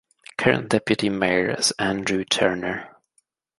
The current deputy mayor is Andrew Turner.